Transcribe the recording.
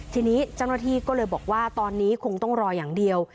ทีนี้เจ้าหน้าที่ก็เลยบอกว่าตอนนี้คงต้องรออย่างเดียว